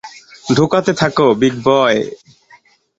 ঢোকাতে থাকো, বিগ বয়!